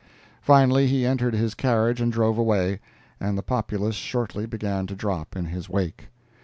Finally he entered his carriage and drove away, and the populace shortly began to drop in his wake.